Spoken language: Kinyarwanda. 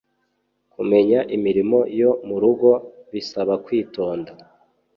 kumenya imirimo yo mu rugo bisabakwitonda.